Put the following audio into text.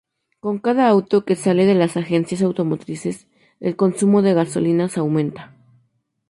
Con cada auto que sale de las agencias automotrices, el consumo de gasolinas aumenta.